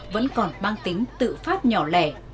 vẫn còn mang tính tự phát nhỏ lẻ